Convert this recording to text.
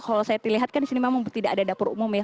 kalau saya lihat kan di sini memang tidak ada dapur umum ya